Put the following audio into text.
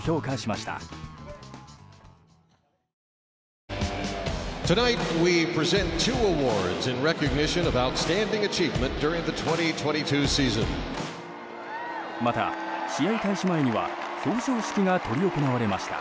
また、試合開始前には表彰式が執り行われました。